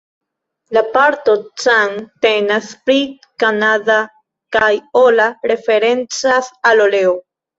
La parto "Can" temas pri Canada kaj "ola" referencas al oleo.